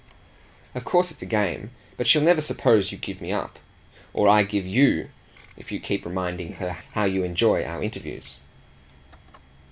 "Of course it's a game. But she'll never suppose you give me up or I give YOU if you keep reminding her how you enjoy our interviews."